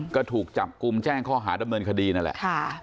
ก็ถูกจับกลุ่มแจ้งข้อหาดำเนินคดีนั่นแหละ